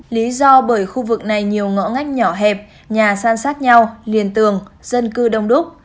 lý do bởi khu vực này nhiều ngõ ngách nhỏ hẹp nhà san sát nhau liền tường dân cư đông đúc